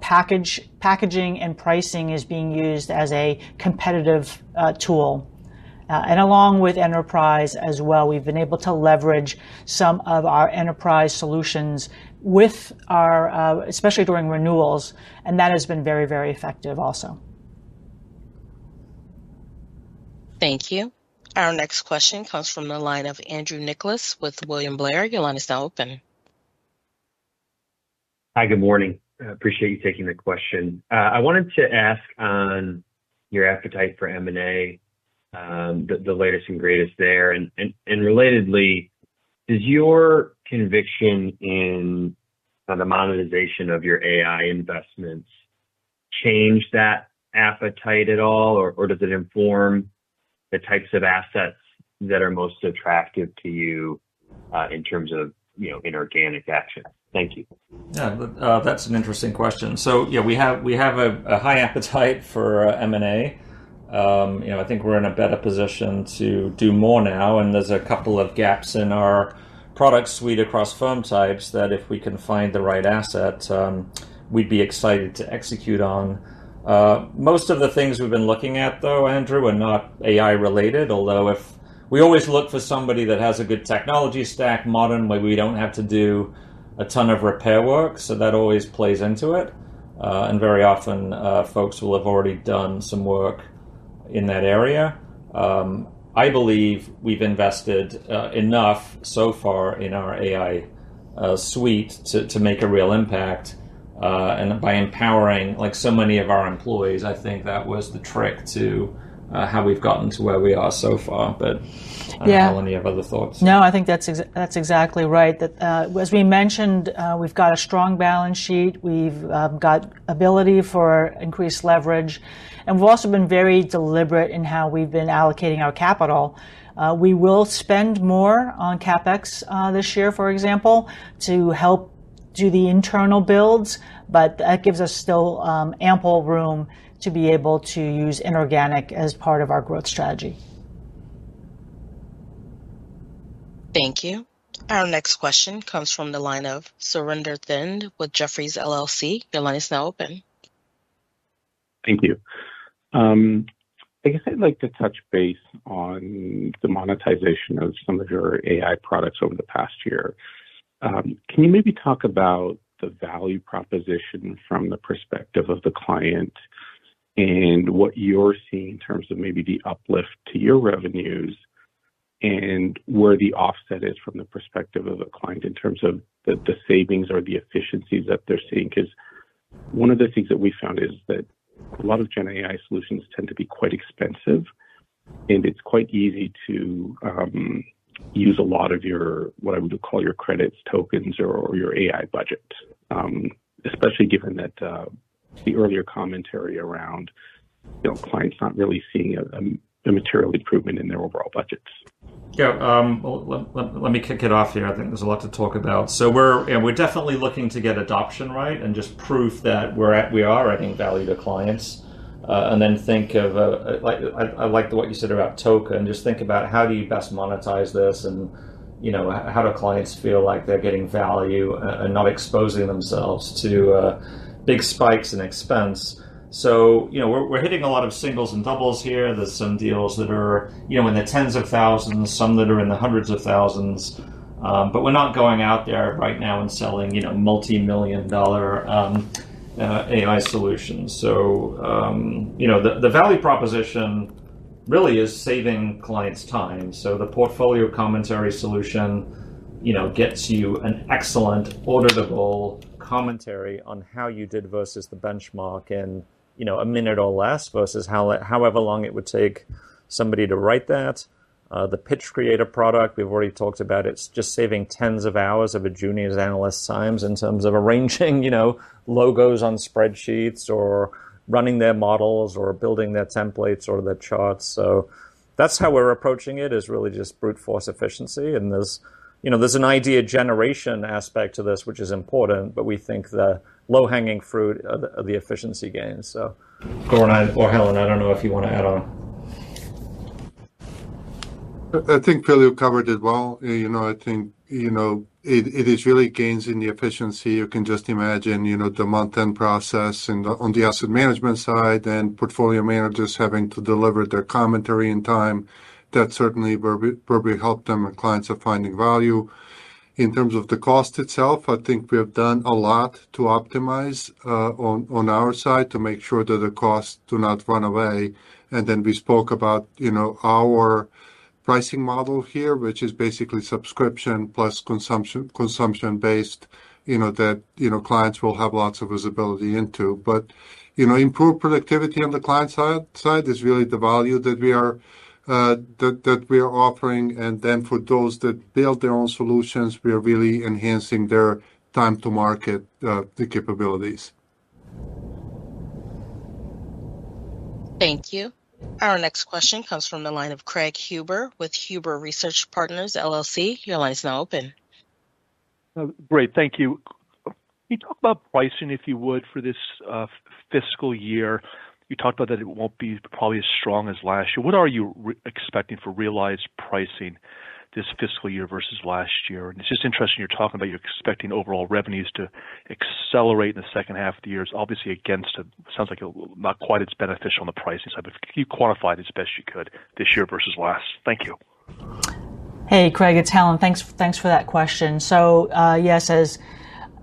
packaging and pricing is being used as a competitive tool. And along with enterprise as well, we've been able to leverage some of our enterprise solutions with our, especially during renewals. And that has been very, very effective also. Thank you. Our next question comes from the line of Andrew Nicholas with William Blair. Your line is now open. Hi, good morning. Appreciate you taking the question. I wanted to ask on your appetite for M&A, the latest and greatest there. And relatedly, does your conviction in the monetization of your AI investments change that appetite at all, or does it inform the types of assets that are most attractive to you in terms of inorganic action? Thank you. Yeah, that's an interesting question. So yeah, we have a high appetite for M&A. I think we're in a better position to do more now. And there's a couple of gaps in our product suite across firm types that if we can find the right asset, we'd be excited to execute on. Most of the things we've been looking at, though, Andrew, are not AI-related, although we always look for somebody that has a good technology stack, modern, where we don't have to do a ton of repair work. So that always plays into it. And very often, folks will have already done some work in that area. I believe we've invested enough so far in our AI suite to make a real impact. And by empowering so many of our employees, I think that was the trick to how we've gotten to where we are so far. But do you have any other thoughts? No, I think that's exactly right. As we mentioned, we've got a strong balance sheet. We've got ability for increased leverage. And we've also been very deliberate in how we've been allocating our capital. We will spend more on CapEx this year, for example, to help do the internal builds. But that gives us still ample room to be able to use inorganic as part of our growth strategy. Thank you. Our next question comes from the line of Surinder Thind with Jefferies LLC. Your line is now open. Thank you. I guess I'd like to touch base on the monetization of some of your AI products over the past year. Can you maybe talk about the value proposition from the perspective of the client and what you're seeing in terms of maybe the uplift to your revenues and where the offset is from the perspective of the client in terms of the savings or the efficiencies that they're seeing? Because one of the things that we found is that a lot of GenAI solutions tend to be quite expensive, and it's quite easy to use a lot of your, what I would call your credits, tokens, or your AI budget, especially given that the earlier commentary around clients not really seeing a material improvement in their overall budgets. Yeah. Well, let me kick it off here. I think there's a lot to talk about. So we're definitely looking to get adoption right and just prove that we are adding value to clients. And then, think of. I like what you said about token. Just think about how do you best monetize this and how do clients feel like they're getting value and not exposing themselves to big spikes in expense. So we're hitting a lot of singles and doubles here. There's some deals that are in the tens of thousands, some that are in the hundreds of thousands. But we're not going out there right now and selling multi-million-dollar AI solutions. So the value proposition really is saving clients' time. So the portfolio commentary solution gets you an excellent auditable commentary on how you did versus the benchmark in a minute or less versus however long it would take somebody to write that. The Pitch Creator product, we've already talked about it. It's just saving tens of hours of a junior analyst's time in terms of arranging logos on spreadsheets or running their models or building their templates or their charts. So that's how we're approaching it is really just brute force efficiency. And there's an idea generation aspect to this, which is important, but we think the low-hanging fruit of the efficiency gains. So. Goran or Helen, I don't know if you want to add on. I think Phil you covered it well. I think it is really gains in the efficiency. You can just imagine the month-end process on the asset management side and portfolio managers having to deliver their commentary in time. That certainly probably helped them and clients are finding value. In terms of the cost itself, I think we have done a lot to optimize on our side to make sure that the costs do not run away, and then we spoke about our pricing model here, which is basically subscription plus consumption-based that clients will have lots of visibility into, but improved productivity on the client side is really the value that we are offering, and then for those that build their own solutions, we are really enhancing their time-to-market capabilities. Thank you. Our next question comes from the line of Craig Huber with Huber Research Partners, LLC. Your line is now open. Great. Thank you. Can you talk about pricing, if you would, for this fiscal year? You talked about that it won't be probably as strong as last year. What are you expecting for realized pricing this fiscal year versus last year? And it's just interesting you're talking about you're expecting overall revenues to accelerate in the second half of the year, obviously against, it sounds like, not quite as beneficial on the pricing side. But can you quantify it as best you could this year versus last? Thank you. Hey, Craig, it's Helen. Thanks for that question. So yes,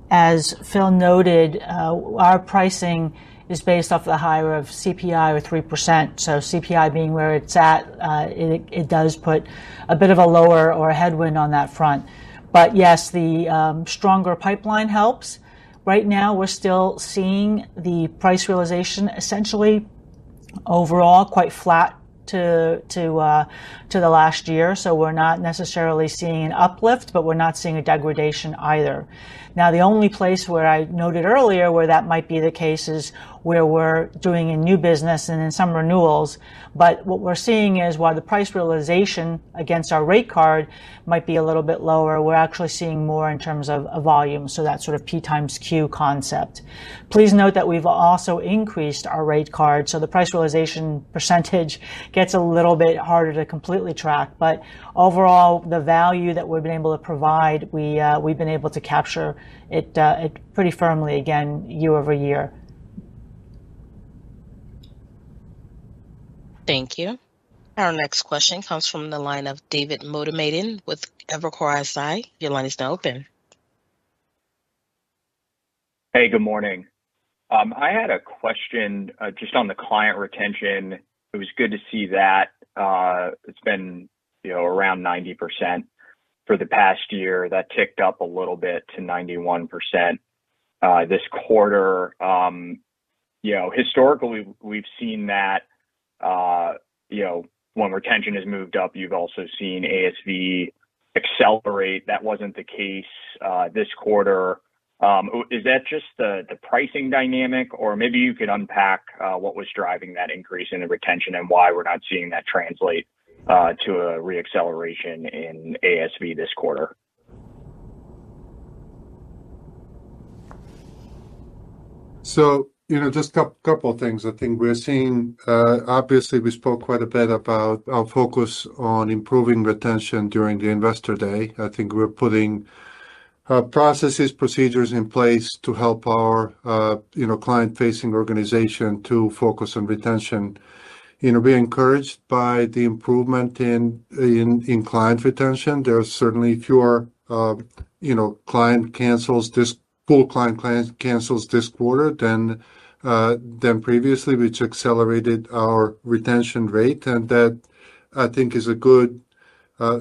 as Phil noted, our pricing is based off of the higher of CPI or 3%. So CPI being where it's at, it does put a bit of a lower or a headwind on that front. But yes, the stronger pipeline helps. Right now, we're still seeing the price realization essentially overall quite flat to the last year. So we're not necessarily seeing an uplift, but we're not seeing a degradation either. Now, the only place where I noted earlier where that might be the case is where we're doing a new business and in some renewals. But what we're seeing is while the price realization against our rate card might be a little bit lower, we're actually seeing more in terms of volume. So that sort of P times Q concept. Please note that we've also increased our rate card. So the price realization percentage gets a little bit harder to completely track. But overall, the value that we've been able to provide, we've been able to capture it pretty firmly, again, year over year. Thank you. Our next question comes from the line of David Togut with Evercore ISI. Your line is now open. Hey, good morning. I had a question just on the client retention. It was good to see that. It's been around 90% for the past year. That ticked up a little bit to 91% this quarter. Historically, we've seen that when retention has moved up, you've also seen ASV accelerate. That wasn't the case this quarter. Is that just the pricing dynamic, or maybe you could unpack what was driving that increase in the retention and why we're not seeing that translate to a re-acceleration in ASV this quarter? Just a couple of things. I think we're seeing, obviously, we spoke quite a bit about our focus on improving retention during the Investor Day. I think we're putting processes, procedures in place to help our client-facing organization to focus on retention. We're encouraged by the improvement in client retention. There are certainly fewer client cancels, this pool client cancels this quarter than previously, which accelerated our retention rate. That, I think, is a good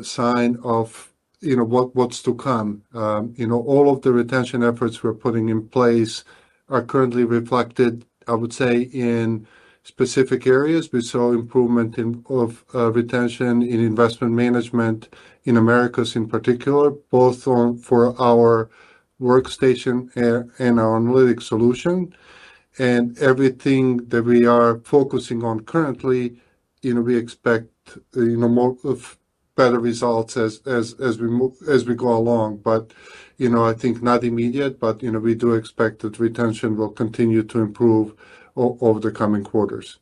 sign of what's to come. All of the retention efforts we're putting in place are currently reflected, I would say, in specific areas. We saw improvement of retention in Investment Management in Americas in particular, both for our workstation and our analytic solution. Everything that we are focusing on currently, we expect better results as we go along. But I think not immediate, but we do expect that retention will continue to improve over the coming quarters.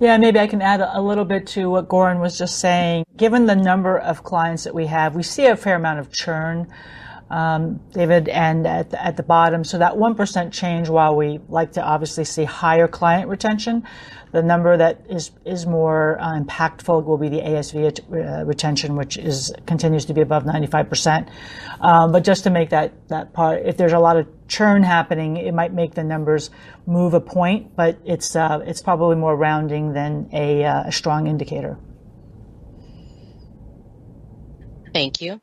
Yeah, maybe I can add a little bit to what Goran was just saying. Given the number of clients that we have, we see a fair amount of churn, David, and at the bottom, so that 1% change, while we like to obviously see higher client retention, the number that is more impactful will be the ASV retention, which continues to be above 95%, but just to make that part, if there's a lot of churn happening, it might make the numbers move a point, but it's probably more rounding than a strong indicator. Thank you.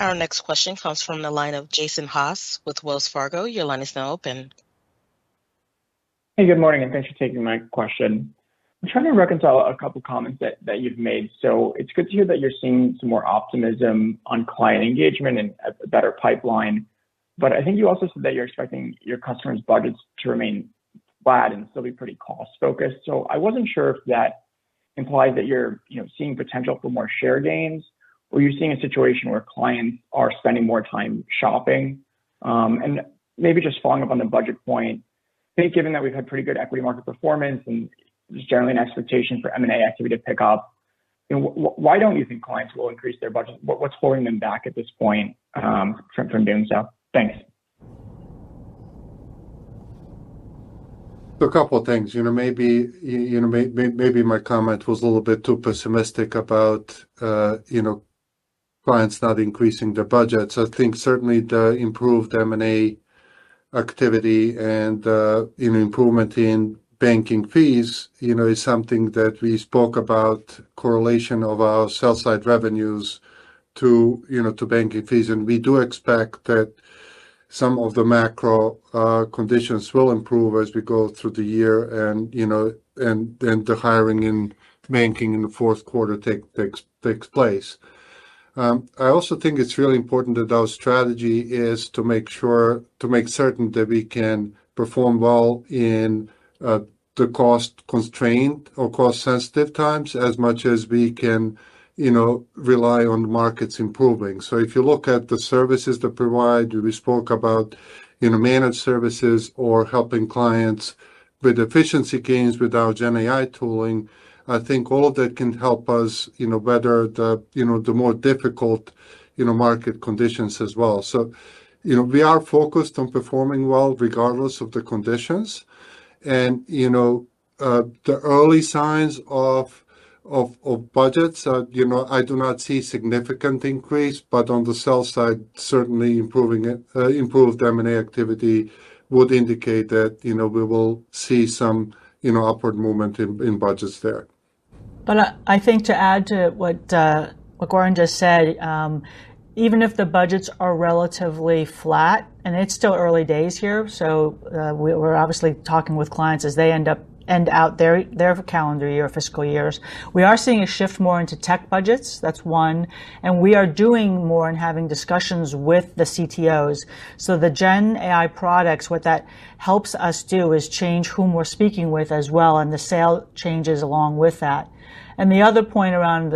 Our next question comes from the line of Jason Haas with Wells Fargo. Your line is now open. Hey, good morning, and thanks for taking my question. I'm trying to reconcile a couple of comments that you've made. So it's good to hear that you're seeing some more optimism on client engagement and a better pipeline. But I think you also said that you're expecting your customers' budgets to remain flat and still be pretty cost-focused. So I wasn't sure if that implies that you're seeing potential for more share gains, or you're seeing a situation where clients are spending more time shopping. And maybe just following up on the budget point, I think given that we've had pretty good equity market performance and just generally an expectation for M&A activity to pick up, why don't you think clients will increase their budgets? What's holding them back at this point from doing so? Thanks. A couple of things. Maybe my comment was a little bit too pessimistic about clients not increasing their budgets. I think certainly the improved M&A activity and improvement in banking fees is something that we spoke about, correlation of our sell-side revenues to banking fees, and we do expect that some of the macro conditions will improve as we go through the year and then the hiring in banking in the fourth quarter takes place. I also think it's really important that our strategy is to make certain that we can perform well in the cost-constrained or cost-sensitive times as much as we can rely on markets improving, so if you look at the services that we provide, we spoke about managed services or helping clients with efficiency gains with our GenAI tooling. I think all of that can help us weather the more difficult market conditions as well. So we are focused on performing well regardless of the conditions. And the early signs of budgets, I do not see significant increase, but on the sell side, certainly improved M&A activity would indicate that we will see some upward movement in budgets there. But I think to add to what Goran just said, even if the budgets are relatively flat, and it's still early days here, so we're obviously talking with clients as they end up, end of their calendar year, fiscal years. We are seeing a shift more into tech budgets. That's one, and we are doing more and having discussions with the CTOs, so the Gen AI products, what that helps us do is change whom we're speaking with as well, and the sale changes along with that, and the other point around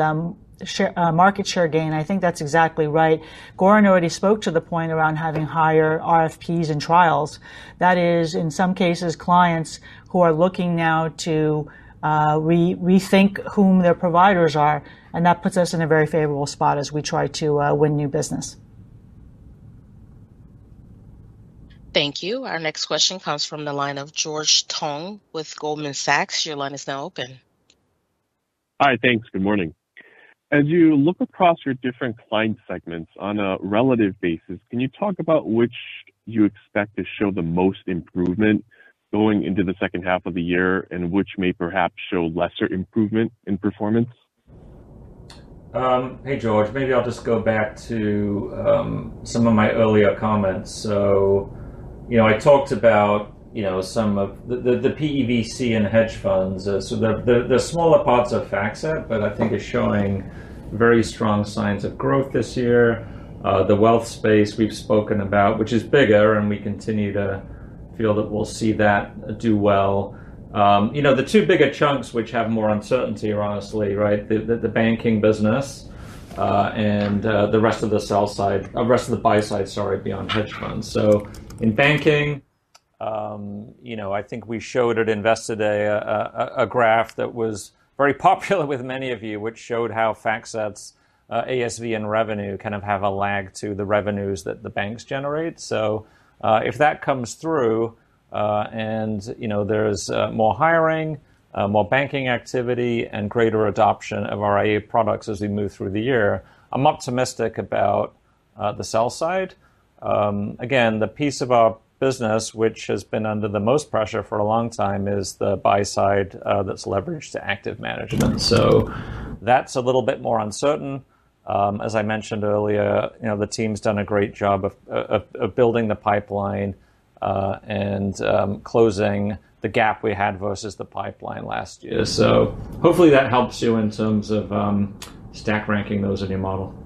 market share gain, I think that's exactly right. Goran already spoke to the point around having higher RFPs and trials. That is, in some cases, clients who are looking now to rethink whom their providers are, and that puts us in a very favorable spot as we try to win new business. Thank you. Our next question comes from the line of George Tong with Goldman Sachs. Your line is now open. Hi, thanks. Good morning. As you look across your different client segments on a relative basis, can you talk about which you expect to show the most improvement going into the second half of the year and which may perhaps show lesser improvement in performance? Hey, George. Maybe I'll just go back to some of my earlier comments. So I talked about some of the PE/VC and hedge funds. So the smaller parts of FactSet, but I think it's showing very strong signs of growth this year. The wealth space we've spoken about, which is bigger, and we continue to feel that we'll see that do well. The two bigger chunks which have more uncertainty, honestly, right, the banking business and the rest of the sell side, the rest of the buy side, sorry, beyond hedge funds. So in banking, I think we showed at Investor Day a graph that was very popular with many of you, which showed how FactSet's ASV and revenue kind of have a lag to the revenues that the banks generate. So if that comes through and there's more hiring, more banking activity, and greater adoption of our AI products as we move through the year, I'm optimistic about the sell side. Again, the piece of our business which has been under the most pressure for a long time is the buy side that's leveraged to active management. So that's a little bit more uncertain. As I mentioned earlier, the team's done a great job of building the pipeline and closing the gap we had versus the pipeline last year. So hopefully that helps you in terms of stack ranking those in your model.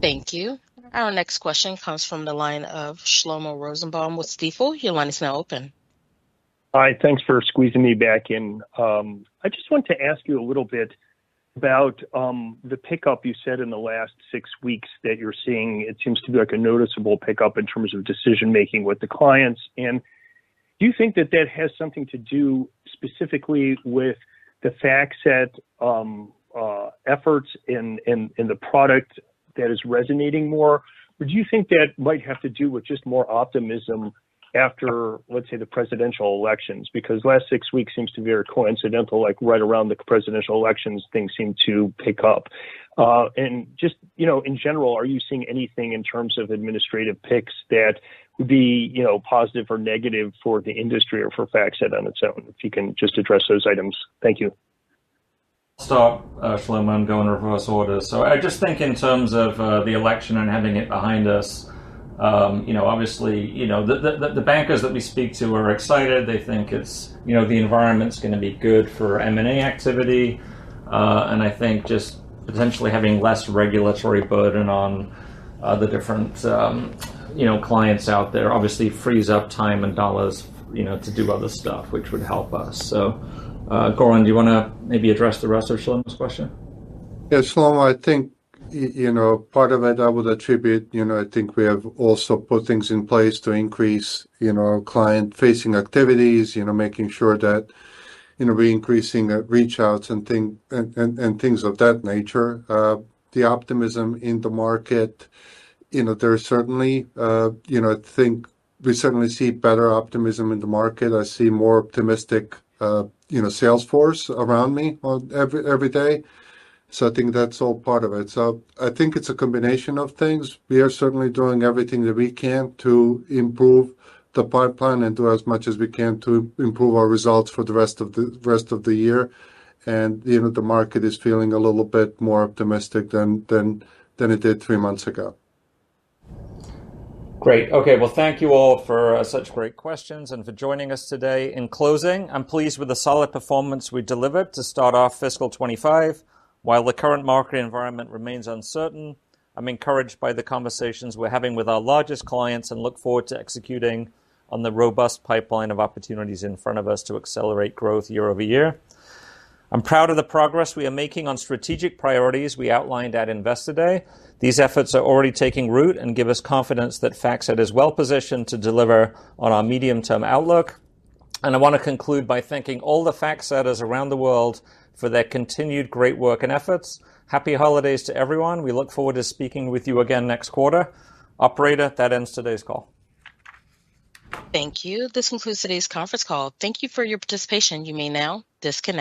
Thank you. Our next question comes from the line of Shlomo Rosenbaum with Stifel. Your line is now open. Hi, thanks for squeezing me back in. I just want to ask you a little bit about the pickup you said in the last six weeks that you're seeing. It seems to be like a noticeable pickup in terms of decision-making with the clients. And do you think that that has something to do specifically with the FactSet efforts and the product that is resonating more? Or do you think that might have to do with just more optimism after, let's say, the presidential elections? Because the last six weeks seems to be very coincidental, like right around the presidential elections, things seem to pick up. And just in general, are you seeing anything in terms of administration picks that would be positive or negative for the industry or for FactSet on its own? If you can just address those items. Thank you. I'll start, Shlomo. I'm going reverse order. So I just think in terms of the election and having it behind us, obviously, the bankers that we speak to are excited. They think the environment's going to be good for M&A activity. And I think just potentially having less regulatory burden on the different clients out there obviously frees up time and dollars to do other stuff, which would help us. So Goran, do you want to maybe address the rest of Shlomo's question? Yeah, Shlomo, I think part of it I would attribute. I think we have also put things in place to increase client-facing activities, making sure that we're increasing reach-outs and things of that nature. The optimism in the market, there's certainly. I think we certainly see better optimism in the market. I see more optimistic sales force around me every day. So I think that's all part of it. So I think it's a combination of things. We are certainly doing everything that we can to improve the pipeline and do as much as we can to improve our results for the rest of the year. And the market is feeling a little bit more optimistic than it did three months ago. Great. Okay. Well, thank you all for such great questions and for joining us today. In closing, I'm pleased with the solid performance we delivered to start off fiscal 2025. While the current market environment remains uncertain, I'm encouraged by the conversations we're having with our largest clients and look forward to executing on the robust pipeline of opportunities in front of us to accelerate growth year over year. I'm proud of the progress we are making on strategic priorities we outlined at Investor Day. These efforts are already taking root and give us confidence that FactSet is well positioned to deliver on our medium-term outlook. And I want to conclude by thanking all the FactSetters around the world for their continued great work and efforts. Happy holidays to everyone. We look forward to speaking with you again next quarter. Operator, that ends today's call. Thank you. This concludes today's conference call. Thank you for your participation. You may now disconnect.